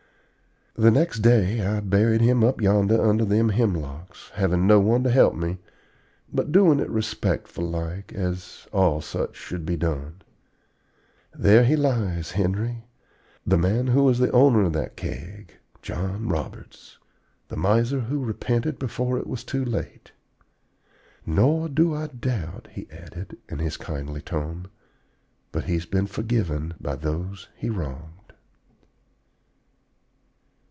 "The next day I buried him up yonder under them hemlocks having no one to help me, but doing it respectful like, as all such should be done. There he lies, Henry, the man who was the owner of that Keg John Roberts the miser who repented before it was too late. Nor do I doubt," he added, in his kindly tone, "but he's been forgiven by those he wronged."